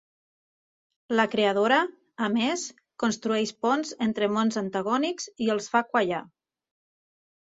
La creadora, a més, construeix ponts entre mons antagònics i els fa quallar.